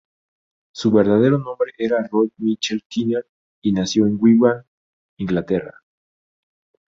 Su verdadero nombre era Roy Mitchell Kinnear, y nació en Wigan, Inglaterra.